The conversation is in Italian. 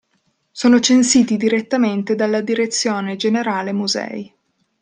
Sono censiti direttamente dalla Direzione Generale Musei.